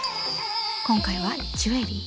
今回はジュエリー。